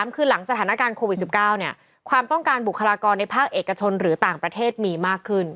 คือหลังสถานการณ์โควิด๑๙ความต้องการบุคลากรในภาคเอกชนหรือต่างประเทศมีมากขึ้น